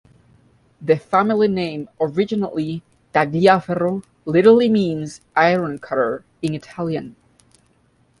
The family name, originally "Tagliaferro", literally means "Ironcutter" in Italian.